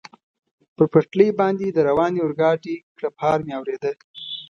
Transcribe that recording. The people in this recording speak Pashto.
پر پټلۍ باندې د روانې اورګاډي کړپهار مې اورېده.